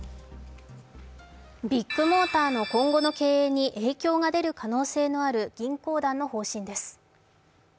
ビッグモーターの今後の経営に影響が出るおそれのある銀行団の方針です。